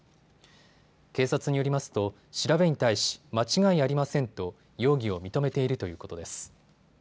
警察によりますと調べに対し、間違いありませんと容疑を認めているということです。